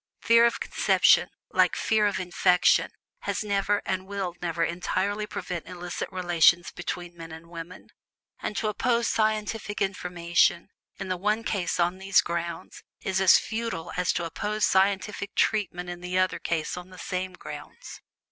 Fear of conception, like fear of infection, has never, and will never entirely prevent illicit relations between men and women; and to oppose scientific information in the one case on these grounds, is as futile as to oppose scientific treatment in the other case on the same grounds.